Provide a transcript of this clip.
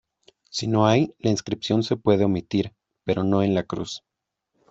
Si no hay, la inscripción se puede omitir, pero no la cruz.